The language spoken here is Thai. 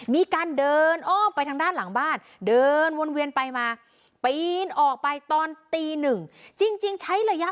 มีการเดินอ้อมไปทางด้านหลังบ้านเดินวนเวียนไปมาปีนออกไปตอนตีหนึ่งจริงใช้ระยะ